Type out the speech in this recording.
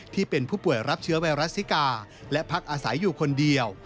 ที่เป็นผู้ป่วยรับเชื้อไวรัสซิกาและพักอาศัยอยู่คนเดียว